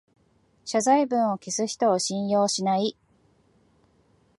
謝罪文を消す人を信用しない